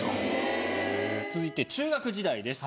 続いて中学時代です